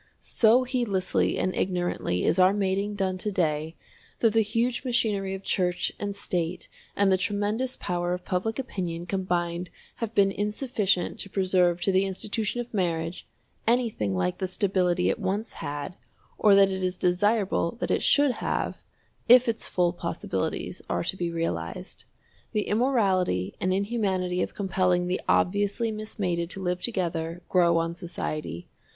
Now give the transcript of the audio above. So heedlessly and ignorantly is our mating done to day that the huge machinery of Church and State and the tremendous power of public opinion combined have been insufficient to preserve to the institution of marriage anything like the stability it once had, or that it is desirable that it should have, if its full possibilities are to be realized. The immorality and inhumanity of compelling the obviously mismated to live together, grow on society.